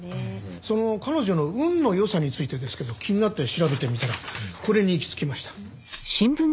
その彼女の運の良さについてですけど気になって調べてみたらこれに行き着きました。